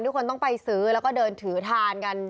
ทุกคนต้องไปซื้อแล้วก็เดินถือทานกัน